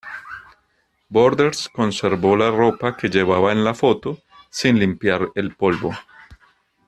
Borders conservó la ropa que llevaba en la foto, sin limpiar el polvo.